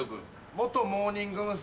元「モーニング娘。」。